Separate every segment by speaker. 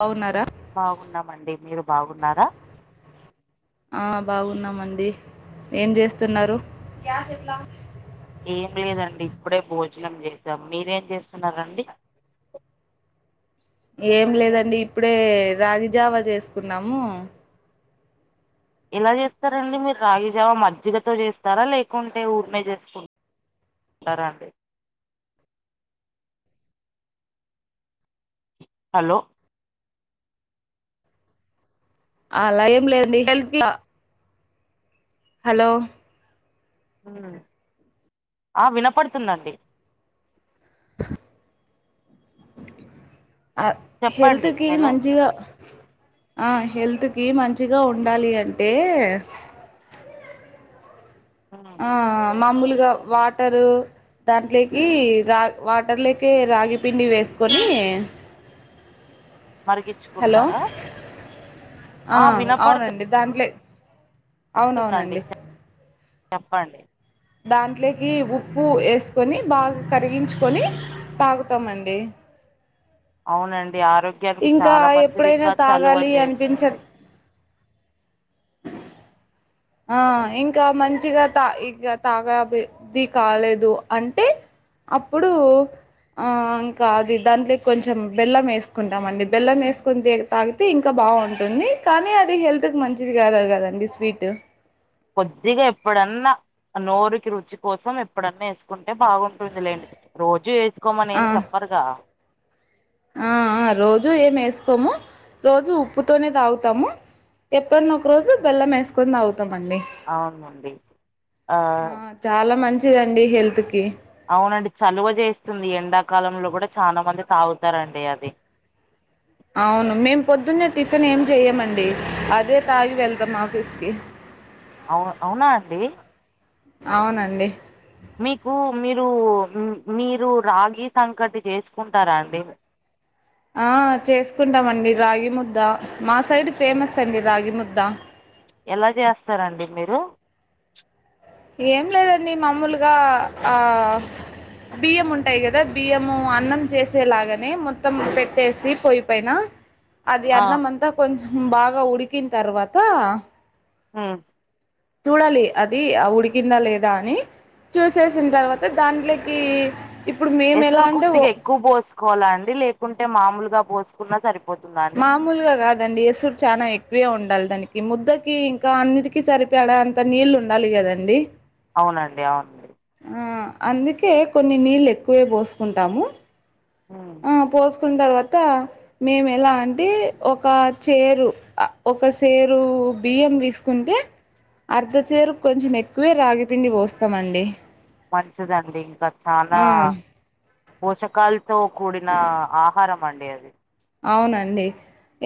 Speaker 1: బావున్నారా
Speaker 2: బాగున్నామండి మీరు బాగున్నారా
Speaker 1: ఆ బాగున్నామండి ఏం జేస్తున్నారు
Speaker 2: ఏం లేదండి ఇప్పుడే భోజనం జేసాం మీరేం జేస్తున్నారండి
Speaker 1: ఏం లేదండి ఇప్పుడే రాగి జావా జేస్కున్నాము
Speaker 2: ఎలా జేస్తారండి మీరు రాగి జావా మజ్జిగతో జేస్తారా లేకుంటే ఊర్కేనే చేస్కుంట తరా అండి అలో
Speaker 1: అలా ఏంలేదండి హలో
Speaker 2: ఉ ఆ వినపడ్తుందండి
Speaker 1: ఆ హెల్త్
Speaker 2: చెప్పండి
Speaker 1: కి
Speaker 2: హలో
Speaker 1: మంచిగా ఆ హెల్త్ కి మంచిగా ఉండాలి అంటే
Speaker 2: ఆ
Speaker 1: ఆ మామూలుగా వాటరూ దాంట్లోకి రా వాటర్లకి రాగి పిండి వేస్కొని
Speaker 2: మరిగిచ్చు
Speaker 1: హలో ఆ అవునండి దాంట్లే
Speaker 2: చెప్పండి
Speaker 1: దాంట్లోకి ఉప్పు ఏస్కొని
Speaker 2: ఉమ్.
Speaker 1: బాగా కరిగించుకొని తాగుతామండి
Speaker 2: అవునండి ఆరోగ్యానికి
Speaker 1: ఇంకా
Speaker 2: చాలా మంచిది
Speaker 1: ఎప్పుడైనా
Speaker 2: ఇంకా
Speaker 1: తాగాలి అనిపించ
Speaker 2: చలువజేస్తుంది
Speaker 1: ఆ ఇంకా మంచిగా తా ఇక తాగా బుద్ధి కాలేదు అంటే అప్పుడూ ఆ ఇంకా అది దాంట్లే కొంచెం బెల్లమేస్కుంటాం అండి బెల్లమేస్కునీ తాగితే ఇంకా బావుంటుంది కానీ అది హెల్త్కి మంచిది కాదు కదండి స్వీటూ
Speaker 2: కొద్దిగా ఎప్పుడన్నా ఆ నోరుకి రుచి కోసం ఎప్పుడన్న ఏస్కుంటే బాగుంటుంది లేండి రోజు
Speaker 1: ఆ
Speaker 2: ఏస్కోమనేం చెప్పరుగా
Speaker 1: ఆ ఆ రోజు ఏమేస్కోము రోజు ఉప్పుతోనే తాగుతాము ఎప్పునోక రోజు బెల్లమేస్కొని తాగుతామండి
Speaker 2: అవునండి ఆ
Speaker 1: చాలా మంచిదండి హెల్త్ కి
Speaker 2: అవునండి చలువ చేస్తుంది ఎండాకాలంలో కూడా చానా మంది తాగుతారండి అది
Speaker 1: అవును మేము టిఫిన్ ఏం జెయ్యమండి అదే తాగి వెళ్తాం ఆఫీస్కి
Speaker 2: అవ్ అవునా అండి
Speaker 1: అవునండి
Speaker 2: మీకు మీరు మీరు రాగి సంకటి చేసుకుంటారా అండి
Speaker 1: ఆ చేసుకుంటామండి రాగి ముద్ద మా సైడ్ ఫేమస్ అండి రాగి ముద్ద
Speaker 2: ఎలా చేస్తారండి మీరు
Speaker 1: ఏంలేదండి మామూలుగా ఆ బియ్యం ఉంటాయి గదా బియ్యము అన్నం చేసేలాగానే మొత్తం పెట్టేసి పొయ్యి పైన అది
Speaker 2: ఆ
Speaker 1: అన్నం అంతా కొంచెం బాగా ఉడికిన్ తర్వాత
Speaker 2: ఊ
Speaker 1: చూడాలి అది ఆ ఉడికిందా లేదా అని చూసేసిన్ తర్వాత దాంట్లోకీ
Speaker 2: ఎసరు కొద్దిగా ఎక్కువ పోసుకోవాల అండి లేకుంటే మామూలుగా పోసుకున్నా సరిపోతుందా అండి
Speaker 1: మామూలుగా గాద్ దండి ఏసురు చానా ఎక్కువే ఉండాలి దానికి ముద్దకి ఇంకా అన్నిటికి సరిపడాను కోనీళ్ళు ఉండాలి గదండి
Speaker 2: అవునండి అవున్
Speaker 1: ఆ అందుకే కొన్ని నీల్లెకువే పోసుకుంటాము
Speaker 2: ఉమ్
Speaker 1: ఆ పోసుకున్ తర్వాత మేము ఎలా అంటే ఒక చేరు అ ఒక సెరూ బియ్యం తీసుకుంటె అర్ధ చేరుక్ కొంచెం ఎక్కువే రాగిపిండి పోస్తమండి
Speaker 2: మంచిదండి ఇంక చాలా పోషకాలతో కూడినా ఆహారం అండి అది
Speaker 1: అవునండి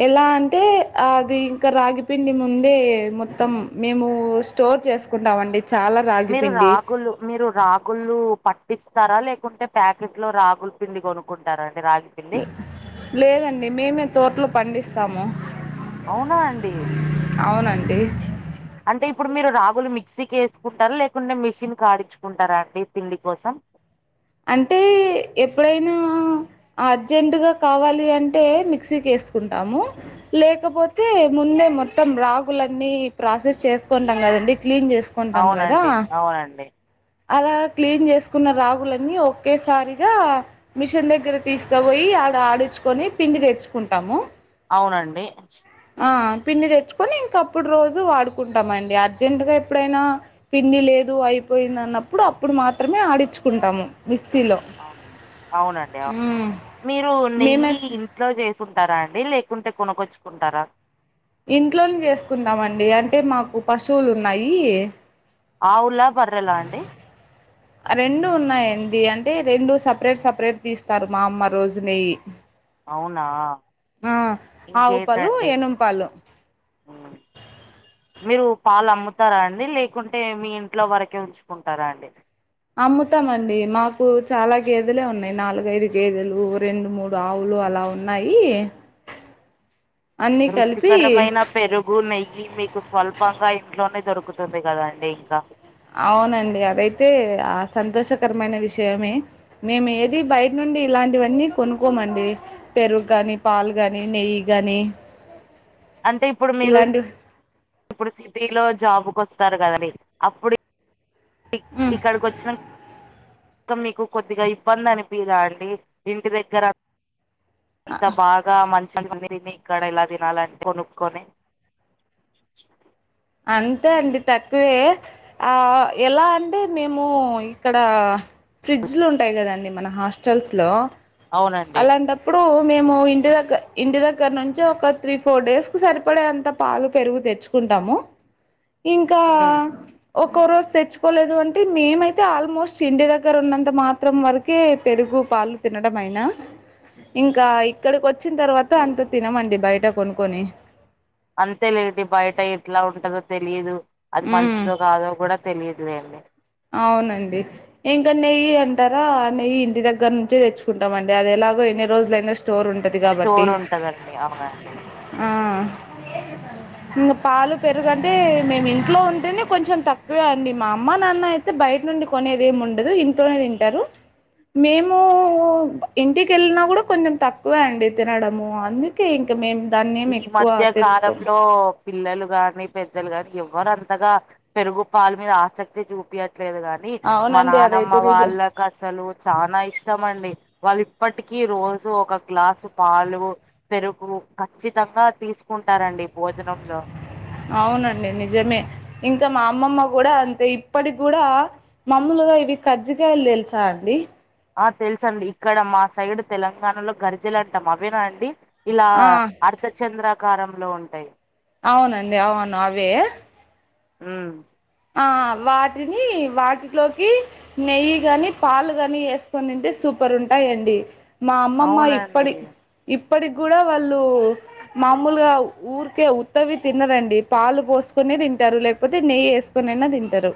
Speaker 1: ఎలా అంటే అది ఇంక రాగిపిండి ముందే మొత్తం మేమూ ష్ స్టోర్ చేసుకుంటామండి చాలా
Speaker 2: మీరు
Speaker 1: రాగిపిండి
Speaker 2: రాగులు మీరు రాగ్ గులు పట్టిస్తారా లేకుంటే ప్యాకెట్ లో రాగుల్ పిండి కొనుకుంటారా అండి రాగ్
Speaker 1: లేదండి మేమే తోటలో పండిస్తాము
Speaker 2: అవునా అండి
Speaker 1: అవునండి
Speaker 2: అంటె ఇప్పుడు మీరు రాగులు మిక్సీకేసుకుంటారా లేకుంటె మిషన్ కాడించుకుంటారా అండి పిండి కోసం
Speaker 1: అంటే ఎప్పుడైనా అర్జెంటుగా కావాలి అంటే మిక్సీకేసుకుంటాము లేకపోతే ముందే మొత్తం రాగులన్నీ ప్రాసెస్ చేసుకుంటాం కదండి క్లీన్ చేస్ కుంటాం కదా
Speaker 2: అవునండి అవునండి
Speaker 1: అలా క్లీన్ చేసుకున్న రాగులన్నీ ఒకేసారిగా మిషన్ దగ్గర తీసుకపోయి ఆడ ఆడిచ్చుకొని పిండి తెచ్చుకుంటాము
Speaker 2: అవునండి
Speaker 1: ఆ పిండి తెచ్చుకొని ఇంకప్పుడు రోజు వాడుకుంటామండి అర్జెంటుగా ఎప్పుడైనా పిండి లేదు అయిపోయింది అన్నప్పుడు అప్పుడు మాత్రమే ఆడించుకుంటాము మిక్సీలో
Speaker 2: ఆ అవునండి అవునండి అవును మీరు
Speaker 1: మేమే
Speaker 2: నెయ్యి ఇంట్లో చేసుంటారా అండి లేకుంటే కొనుకొచ్చుకుంటారా
Speaker 1: ఇంట్లోనే చేసుకుంటామండి అంటే మాకు పశువులు ఉన్నాయి
Speaker 2: ఆవులా బర్రెలా అండి
Speaker 1: అ రెండు ఉన్నాయండి అంటే రెండు సపరేట్ సపరేట్ తీస్తారు మా అమ్మ రోజు నెయ్యి
Speaker 2: అవునా
Speaker 1: ఆ ఆవు పాలు
Speaker 2: ఇంకేంటండి
Speaker 1: ఏనుం పాలు
Speaker 2: మీరు పాలు అమ్ముతారా అండి లేకుంటే మీ ఇంట్లో వరకే ఉంచుకుంటారా అండి
Speaker 1: అమ్ముతామండి మాకు చాలా గేదెలె ఉన్నయ్ నాలుగైదు గేదెలు రెండు ముడ్ డు ఆవులు అలా ఉన్నాయి అన్నీ కలిపి
Speaker 2: రుచికరమైన పెరుగు నెయ్యి మీకు స్వల్పంగా ఇంట్లోనే దొరుకుతుంది కదాండి ఇంక
Speaker 1: అవునండి అదైతే ఆ సంతోషకరమైన విషయమే మేము ఏది బయట నుండి ఇలాంటివన్నీ కొనుకోమండి పెరుగు గాని పాలు గాని నెయ్యి గాని
Speaker 2: అంటే ఇప్పుడు మీరు ఇప్పుడు సిటీలో జాబ్ కోస్తారు కదండి అప్పుడు
Speaker 1: మ్మ్
Speaker 2: ఇక్కడికోచ్చిన క మీకు కొద్దిగా ఇబ్బంది అనిపిదా అండి ఇంటి దగ్గర అంత బాగా మంచిగ తిని ఇక్కడ ఇలా తినాలంటే కొనుక్కొని
Speaker 1: అంతే అండి తక్కువే ఆ ఆ ఎలా అంటే మేము ఇక్కడ ఫ్రిడ్జ్లు ఉంటాయి కదండి మన హాస్టల్స్ లో
Speaker 2: అవునండి
Speaker 1: అలాంటప్ ఇప్పుడు మేము ఇంటి దగ్గర ఇంటి దగ్గర నుంచే ఒక త్రీ ఫోర్ డేస్కి సరిపడేంత పాలు పెరుగు తెచ్చు కుంటాము ఇంకా
Speaker 2: ఉ
Speaker 1: ఒక్కో రోజు తెచ్చుకోలేదు అంటే మేమైతే ఆల్మోస్ట్ ఇంటి దగ్గర ఉన్నంత మా మాత్రం వరకే పెరుగు పాలు తినడం అయినా ఇంకా ఇక్కడికి వచ్చిన తర్వాత అంత తినమండి బయట కొనుక్కొని
Speaker 2: అంతేలేండి బయట ఎట్లా ఉంటదో తెలియదు అది
Speaker 1: మ్మ్
Speaker 2: మంచిదో కాదో కూడా తెలియదులేండి
Speaker 1: అవునండి ఇంకా నెయ్యి అంటారా నెయ్యి ఇంటి దగ్గర నుంచే తెచ్చుకుంటాం అండి అది ఎలాగో ఎన్ని రోజులైనా స్టోర్ ఉం టది కాబట్టి
Speaker 2: స్టోర్ ఉంటదండి అవునండి
Speaker 1: ఇంగ పాలు పెరుగంటే మేము ఇంట్లో ఉంటేనే కొంచెం తక్కువే అండి మా అమ్మ నాన్న అయి తే బయట నుండి కొనేది ఏం ఉండదు ఇంట్లోనే తింటారు మేము ఇంటికి వెళ్ళిన కూడా కొంచెం తక్కువే అండి తినడము అందు కే ఇంకా మేము దానేం
Speaker 2: ఈ
Speaker 1: ఎక్కువ
Speaker 2: మధ్య
Speaker 1: తెచ్చుకోం
Speaker 2: కాలంలో పిల్లలు గాని పెద్దలు కాని ఎవరు అంతగా పెరుగు పాల మీద ఆసక్తి చూపయట్లేదు గా ని మా
Speaker 1: అవునండి
Speaker 2: నానమ్మ
Speaker 1: అదైతే నిజం
Speaker 2: వాళ్ళ కు అసలు చానా ఇష్టం అండి వాళ్ళు ఇప్పటికీ రోజు ఒక గ్లాసు పాలు పెరుగు ఖచ్చితంగా తీసుకుంటారండి భోజనంలో
Speaker 1: అవునండి నిజమే ఇంకా మా అమ్మమ్మ కూడా అంతే ఇప్పటికి కూడా మామూలుగా ఇవి కజ్జికాయలు తెలుసా అండి
Speaker 2: ఆ తెలుసు అండి ఇక్కడ మా సైడ్ తెలంగాణలో గర్జలు అంటాం అవేనా అండి ఇలా
Speaker 1: ఆ
Speaker 2: అర్ధ చంద్రాకారంలో ఉంటాయి
Speaker 1: అవునండి అవును అవే
Speaker 2: ఉమ్
Speaker 1: ఆ వాటిని వాటిలోకి నెయ్యి గాని పాలు గాని ఏసుకొని తింటే సూపర్ ఉంటాయండి మా అమ్మమ్మ ఇప్పటి
Speaker 2: అవునండి
Speaker 1: ఇప్పటికి కూడా వాళ్ళు మామూలుగా ఊరికే ఉత్తవి తినరండి పాలు పోసుకొనే తింటారు లేకపోతే నెయ్యి ఏసు కొనైన్న తింటారు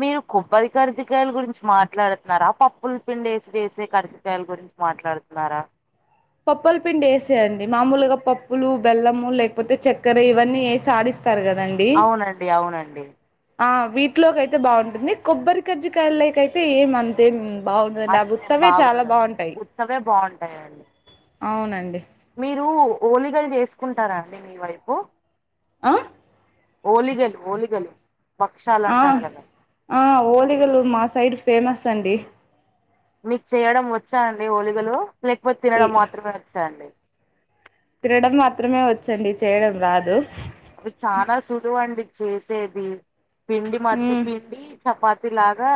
Speaker 2: మీరు కొబ్బరి కర్జికాయల గురించి మాట్లాడుతున్నారా పప్పుల పిండి వేసి చేసే కర్జికాయల గురించి మాట్లాడుతున్నారా
Speaker 1: పప్పుల పిండి వేసేయండి మామూలుగా పప్పులు బెల్లము లేకపోతే చక్కెర ఇవన్నీ వేసి ఆడిస్తారు కదండి
Speaker 2: అవునండి అవునండి
Speaker 1: ఆ వీటిలోకియితే బావుంటుంది కొబ్బరి కర్జికాయలకు అయితే ఏమం తేం బావుండదు అండి అవి ఉత్తవే చాలా బావుంటాయి
Speaker 2: అవే బావుంటాయండి
Speaker 1: అవునండి
Speaker 2: మీరు ఓలిగలు చేసుకుంటారా అండి మీ వైపు
Speaker 1: ఆ
Speaker 2: ఓలిగలు ఓలిగలు బక్షాలు
Speaker 1: ఆ
Speaker 2: అంటారు కదా
Speaker 1: ఆ ఓలిగలు మా సైడ్ ఫేమస్ అండి
Speaker 2: మీకు చేయడం వచ్చా అండి ఓలిగలు లేకపోతే
Speaker 1: ఈ
Speaker 2: తినడం మాత్రమే వచ్చా అండి
Speaker 1: తినడం మాత్రమే వచ్చండి చేయడం రాదు
Speaker 2: అవి చానా సులువు అండి చేసేది పిండి మధ్య
Speaker 1: మ్మ్
Speaker 2: పిండి చపాతి లాగా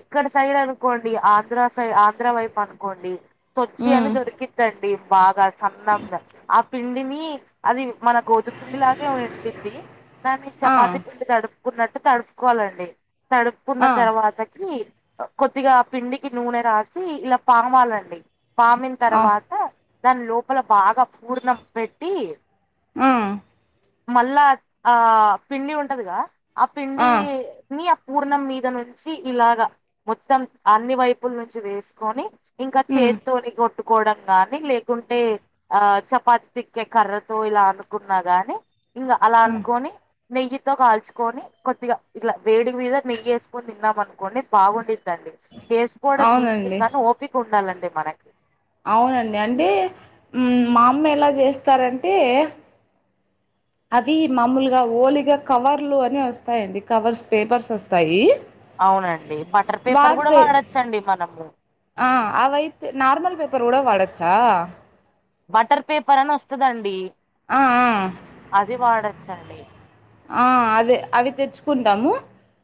Speaker 2: ఇక్కడ సైడ్ అనుకోండి ఆంధ్ర సై ఆంధ్ర వైపు అనుకోండి సొచ్చి అని
Speaker 1: మ్మ్
Speaker 2: దొరికిద్దండి బాగా సన్నంగా ఆప్ పిండిని అది మన గోధుమ పిండి లాగే ఉండింది దాన్ని
Speaker 1: ఆ
Speaker 2: చపాతి పిండి తడుపు ఉన్నట్టు తడుపుకోవాలండి తడుపుకున్న
Speaker 1: ఆ
Speaker 2: తర్వాతకి కొద్దిగా పిండికి నూనె రాసి ఇలా పామాలండి పామిన
Speaker 1: ఆ
Speaker 2: తర్వాత దాని లోపల బాగా పూర్ణం పెట్టి
Speaker 1: హ
Speaker 2: మళ్ళా ఆ పిండి ఉంటదిగా ఆ పిండి న్ని ఆ పూర్ణం మీద నుంచి ఇలాగ మొత్తం అన్ని వైపుల నుంచి వేసుకొని ఇంకా
Speaker 1: మ్మ్
Speaker 2: చేతితోని కొట్టుకోవడం కాగానీ లేకుంటే ఆ చపాతి తిక్కే కర్రతో ఇలా అనుకున్నా గాని ఇంకా అలా అనుకొని నెయ్యి తో కాల్చుకొని కొద్దిగా ఇట్లా వేడి మీద నెయ్యి వేసుకొని తిన్నాం అనుకోండి బా ఉండిద్ది త్యాండీ చేసుకోవడం ఈజీయ
Speaker 1: అవునండి
Speaker 2: కాని ఓపిక ఉండాలండి మనకి
Speaker 1: అవునండి అంటే మా అమ్మ ఎలా చేస్తారంటే అవి మామూలుగా ఓలిగా కవర్లు అని వస్తాయిండి కవర్స్ పేపర్స్ వస్తాయి
Speaker 2: అవునండి బటర్ పేపర్ కూడా
Speaker 1: వాడితే
Speaker 2: వాడచ్చండి మనము
Speaker 1: ఆ అ వైతే నార్మల్ పేపర్ కూడా వాడచ్చా
Speaker 2: బటర్ పేపర్ అని వస్తుందండి
Speaker 1: ఆ ఆ
Speaker 2: అది వాడొచ్చండి
Speaker 1: ఆ అదే అవి తెచ్చుకుంటాము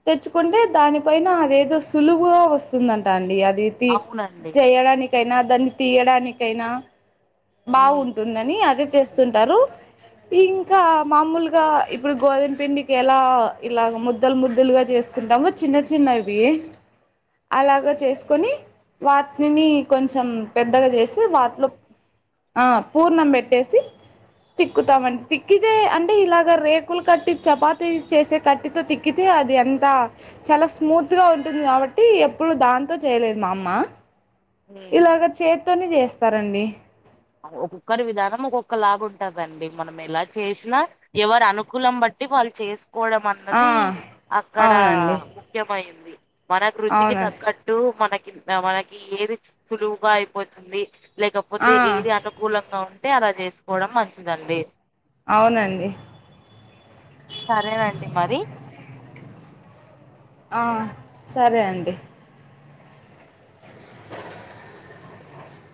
Speaker 1: తెచ్చుకుంటే దానిపైన అదేదో సులువుగా వస్తుందంట అండి అది తీ
Speaker 2: అవునండి.
Speaker 1: చేయడానికైనా దాన్ని తీయడానికైనా
Speaker 2: హ్మ్.
Speaker 1: బావుంటుందని అదే తెస్తుంటారు ఇంకా మామూలుగా ఇప్పుడు గోధుమ పిండికి ఎలా ఇలా ముద్దలు ముద్దలుగా చేస్తు దవ్వ చిన్న చిన్న ఇవి అలాగ చేసుకొని వాటిని కొంచెం పెద్దగా చేసి వాటిలో ఆ పూర్ణం పెట్టేసి తిక్కుతామండి తిక్కితే అంటే ఇలాగ రేకులు కట్టి చపాతి చేసే కట్టితో తిక్ తిక్కితే అది ఎంత చాలా స్మూత్ గా ఉంటుంది కాబట్టి ఎప్పుడు దాంతో చేయలేదు మా అమ్మ
Speaker 2: హ్మ్.
Speaker 1: ఇలాగ చేత్తోని చేస్తారండి
Speaker 2: ఒక్కొక్కరి విధానం ఒక్కొక్క లాగా ఉంటందండి మనం ఎలా చేసినా ఎవరి అనుకూలం బట్టి వాళ్ళు చేసుకోవడం
Speaker 1: ఆ
Speaker 2: అన్నది అక్కడ
Speaker 1: అవునండి
Speaker 2: ముఖ్యమైంది మన రుచికి
Speaker 1: అవునండి
Speaker 2: తగ్గ టు మనకి మనకి ఏది సులువుగా అయిపోతుంది
Speaker 1: ఆ
Speaker 2: లేకపోతే ఏది అనుకూలంగా ఉంటే అలా చేసుకోవడం మంచిదండి
Speaker 1: అవునండి
Speaker 2: సరేనండి మరి
Speaker 1: ఆ సరే అండి